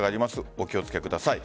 お気を付けください。